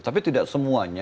tapi tidak semuanya